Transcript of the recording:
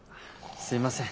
すみません。